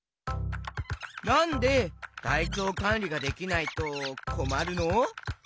なんでたいちょうかんりができないとこまるの？